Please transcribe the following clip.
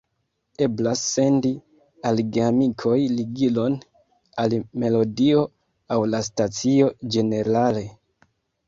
Eblas sendi al geamikoj ligilon al melodio aŭ la stacio ĝenerale.